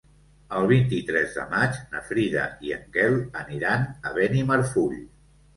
El vint-i-tres de maig na Frida i en Quel aniran a Benimarfull.